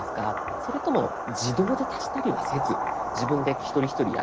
それとも「自動で足したりはせず自分で一人一人やってく」。